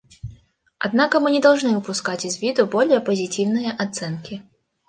Однако мы не должны упускать из виду более позитивные оценки.